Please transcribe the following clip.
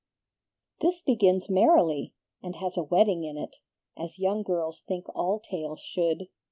"This begins merrily, and has a wedding in it, as young girls think all tales should.